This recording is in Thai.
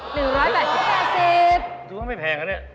ถูกว่าไม่แพงแล้วเนี่ย